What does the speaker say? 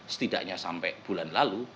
setidaknya sampai bulan lalu